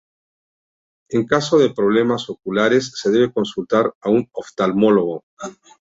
En caso de problemas oculares se debe consultar a un oftalmólogo.